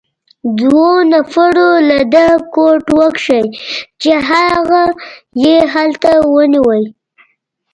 دوو نفر له ده کوټ وکیښ، چې هغه يې هلته ونیو.